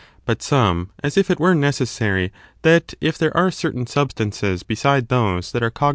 But some, as if it were necessary that if there are certain substances beside those that are cog J?